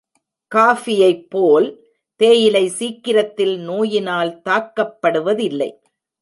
காஃபியைப் போல் தேயிலை சீக்கிரத்தில் நோயினால் தாக்கப்படுவதில்லை.